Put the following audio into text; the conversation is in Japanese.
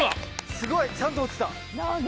すごい！ちゃんと落ちた！